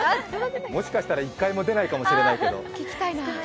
もしかしたら１回も出ないかもしれないけど。